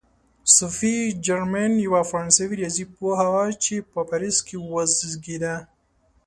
صوفي جرمین یوه فرانسوي ریاضي پوهه وه چې په پاریس کې وزېږېده.